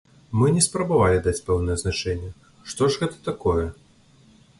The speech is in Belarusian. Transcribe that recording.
Мы не спрабавалі даць пэўнае азначэнне, што ж гэта такое.